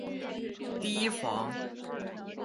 提防